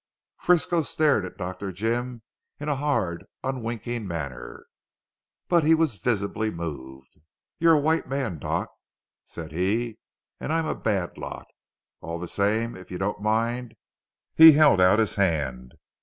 Frisco stared at Dr. Jim in a hard unwinking manner, but he was visibly moved. "You're a white man Doc," said he, "and I'm a bad lot. All the same if you don't mind " he held out his hand.